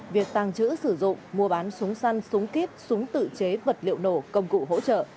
việc tàng trữ sử dụng mua bán súng săn súng kíp súng tự chế vật liệu nổ công cụ hỗ trợ